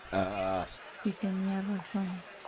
Y tenía razón.